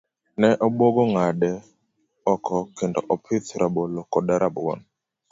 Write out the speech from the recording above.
Ne obuogo ng'ade oko kendo opith rabolo koda rabuon.